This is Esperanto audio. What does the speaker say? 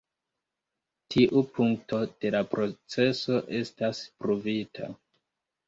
Tiu punkto de la proceso estas pruvita.